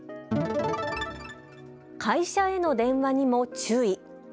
会社への電話にも注意。